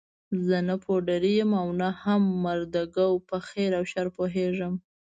زه نه پوډري یم او نه هم مرده ګو، په خیر او شر پوهېږم.